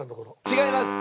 違います。